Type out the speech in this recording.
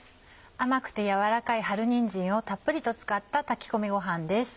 甘くて柔らかい春にんじんをたっぷりと使った炊き込みごはんです。